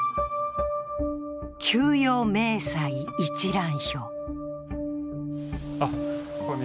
給与明細一覧表。